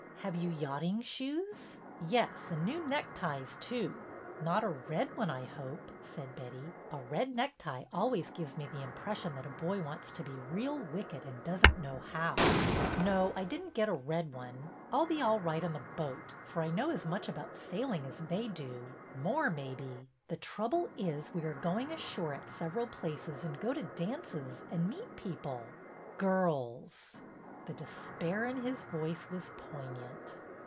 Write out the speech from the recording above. Have you yachting shoes ?"'' Yes, and new neckties, too." Not a red one, I hope," said Betty. A red BETTY AND CRAIG lOI necktie always gives me the impression that a boy wants to be real wicked and does n't know how." No, I did n't get a red one. I 'll be all right on the boat, for 1 know as much about sailing as they do. More, maybe. The trouble is we are going ashore at several places and go to dances, and meet people — girls !" The despair in his voice was poignant.